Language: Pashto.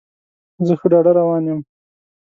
زه ښه ډاډه روان یم.